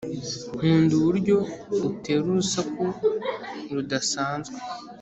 nkunda uburyo utera urusaku rudasanzwe